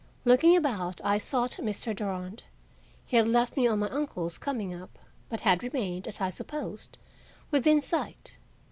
Looking about, I sought Mr. Durand. He had left me on my uncle's coming up, but had remained, as I supposed, within sight.